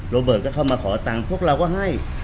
โรเบิร์ตก็เข้ามาขอตังค์พวกเราก็ให้